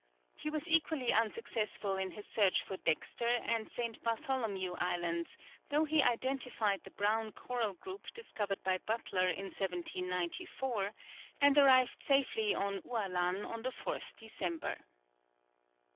He was equally unsuccessful in his search for Dexter and St. Bartholomew Islands, though he identified the Brown coral group discovered by Butler in 1794 and arrived safely off Ualan on the 4th December.